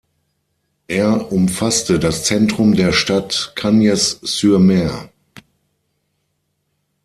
Er umfasste das Zentrum der Stadt Cagnes-sur-Mer.